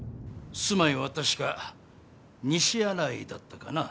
住まいは確か西新井だったかな？